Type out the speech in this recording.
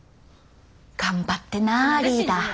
頑張ってなリーダー。